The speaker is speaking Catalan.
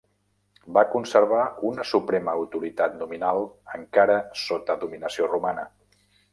Va conservar una suprema autoritat nominal encara sota dominació romana.